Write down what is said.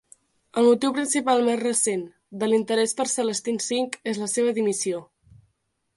El motiu principal més recent de l'interès per Celestine V és la seva dimissió.